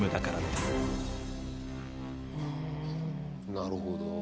なるほど。